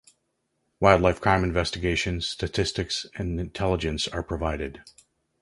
Wildlife crime investigations, statistics and intelligence are provided.